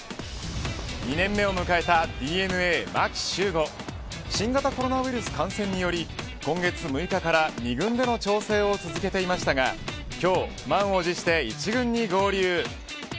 ２年目を迎えたＤｅＮＡ牧秀悟新型コロナウイルス感染により今月６日から２軍での調整を続けていましたが今日、満を持して１軍に合流。